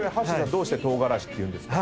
どうしてトウガラシっていうんですか？